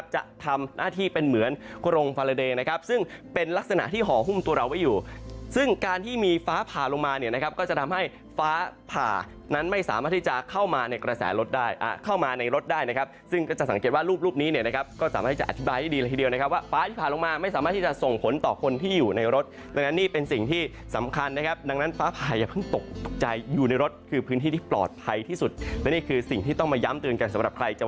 จะทำให้ฟ้าผ่านั้นไม่สามารถที่จะเข้ามาในรถได้ซึ่งก็จะสังเกตว่ารูปนี้ก็สามารถที่จะอธิบายให้ดีละทีเดียวว่าฟ้าที่ผ่าลงมาไม่สามารถที่จะส่งผลต่อคนที่อยู่ในรถดังนั้นนี่เป็นสิ่งที่สำคัญดังนั้นฟ้าผ่าอย่าเพิ่งตกใจอยู่ในรถคือพื้นที่ที่ปลอดภัยที่สุดและนี่คือสิ่งที่ต้องมาย